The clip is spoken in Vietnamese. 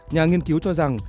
nhà nghiên cứu cho rằng